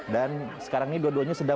dan sekarang ini dua duanya sedang